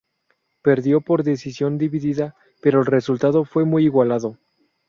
Perdió por decisión dividida, pero el resultado fue muy igualado.